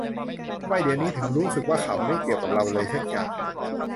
ทำไมเดี๋ยวนี้ถึงรู้สึกว่าข่าวมันไม่เกี่ยวกับเราเลยสักอย่าง